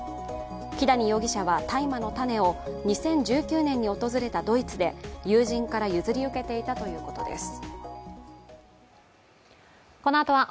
木谷容疑者は大麻の種を２０１９年に訪れたドイツで友人から譲り受けていたということです。